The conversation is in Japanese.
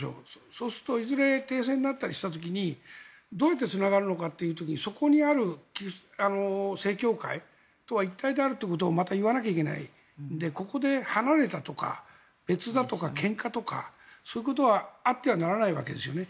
そうするといずれ停戦になったりした時にどうやってつながるかといった時にそこにある正教会とは一体であるということをまた言わなきゃいけないのでここで離れたとか別だとかけんかとか、そういうことはあってはならないわけですね。